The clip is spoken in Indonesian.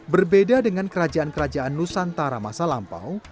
berbeda dengan kerajaan kerajaan nusantara masa lampau